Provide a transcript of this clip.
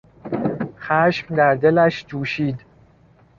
خشم در دلش جوشید.